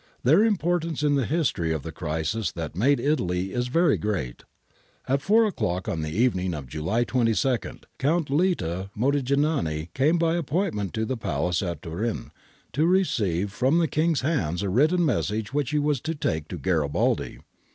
Their importance in the history of the crisis that made Italy is very great. At four o'clock on the evening of July 22, Count Litta Modignani came by appointment to the Palace at Turin to receive from the King's hands a written message which he was to take to Garibaldi.